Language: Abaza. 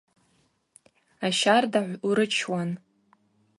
Ащардагӏв урычуан.